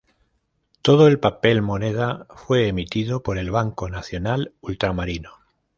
Todo el papel moneda fue emitido por el Banco Nacional Ultramarino.